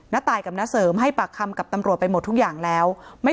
ตายกับณเสริมให้ปากคำกับตำรวจไปหมดทุกอย่างแล้วไม่